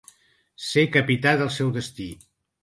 Ser “capità del seu destí”.